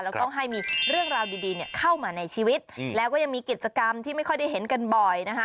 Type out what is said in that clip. แล้วก็ให้มีเรื่องราวดีเข้ามาในชีวิตแล้วก็ยังมีกิจกรรมที่ไม่ค่อยได้เห็นกันบ่อยนะคะ